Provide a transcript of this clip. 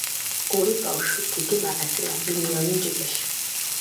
ორი ბავშვი, დიდი მაღაზია, მილიონი ჯიბეში.